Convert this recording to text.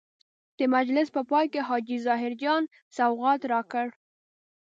د مجلس په پای کې حاجي ظاهر جان سوغات راکړ.